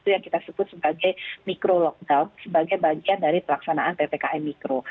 yang disebut sebagai mikro lockdown sebagai bagian dari pelaksanaan ppkm mikro